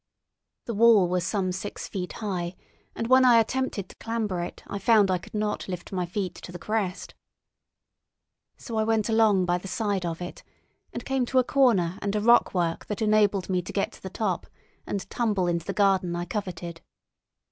The wall was some six feet high, and when I attempted to clamber it I found I could not lift my feet to the crest. So I went along by the side of it, and came to a corner and a rockwork that enabled me to get to the top, and tumble into the garden I coveted.